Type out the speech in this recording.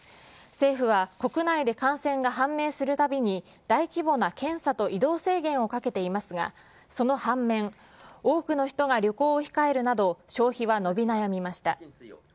政府は国内で感染が判明するたびに、大規模な検査と移動制限をかけていますが、その反面、多くの人が旅行を控えるなど、消費は伸び悩みました。